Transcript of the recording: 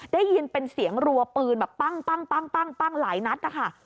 ได้ยินเป็นเสียงรัวปืนแบบปั้งหลายนัดนะคะ